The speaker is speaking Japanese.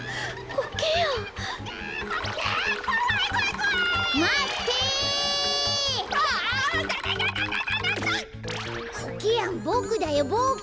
コケヤンボクだよボク！